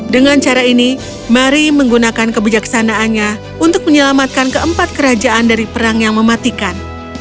dengan cara ini mari menggunakan kebijaksanaannya untuk menyelamatkan keempat kerajaan dari perang yang mematikan